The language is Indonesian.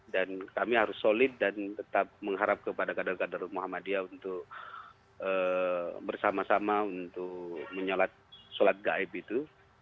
dan kami harus solid dan tetap mengharap kepada kader kader muhammadiyah untuk bersama sama untuk menyolat gaib itu